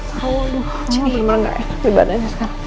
emang bener bener gak enak bebanannya